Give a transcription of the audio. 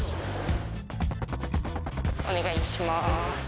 お願いします。